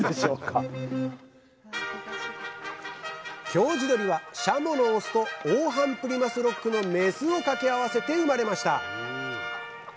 京地どりはシャモのオスと横斑プリマスロックのメスを掛け合わせて生まれました。